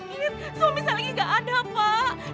semua misalnya gak ada pak